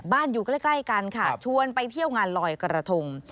อยู่ใกล้กันค่ะชวนไปเที่ยวงานลอยกระทง